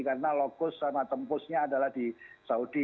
karena lokus sama tempusnya adalah di saudi